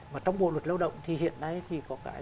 mà trong bộ luật lao động thì hiện nay thì có cái